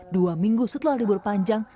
dua minggu setelah libur panjang